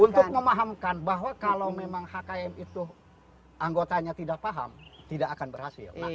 untuk memahamkan bahwa kalau memang hkm itu anggotanya tidak paham tidak akan berhasil